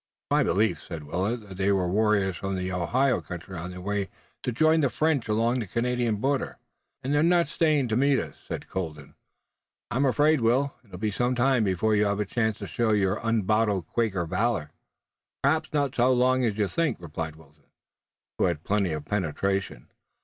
"It's my belief," said Willet, "that they were warriors from the Ohio country on their way to join the French along the Canadian border." "And they're not staying to meet us," said Colden. "I'm afraid, Will, it'll be some time before you have a chance to show your unbottled Quaker valor." "Perhaps not so long as you think," replied Wilton, who had plenty of penetration.